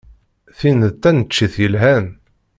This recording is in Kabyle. Tin d taneččit yelhan.